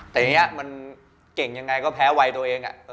แต่อย่างนี้มันเก่งยังไงก็แพ้วัยตัวเอง